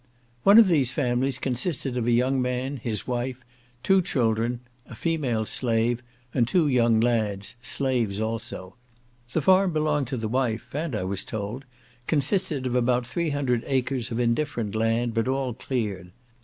One of these families consisted of a young man, his wife, two children, a female slave, and two young lads, slaves also. The farm belonged to the wife, and, I was told, consisted of about three hundred acres of indifferent land, but all cleared.